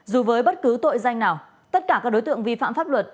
dù với bất cứ tội danh nào tất cả các đối tượng vi phạm pháp luật